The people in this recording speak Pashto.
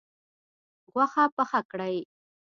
غوښه پخه کړئ